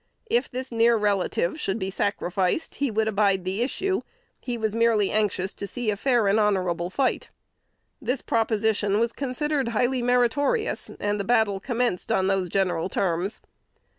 If this near relative should be sacrificed, he would abide the issue: he was merely anxious to see a fair and honorable fight. This proposition was considered highly meritorious, and the battle commenced on those general terms.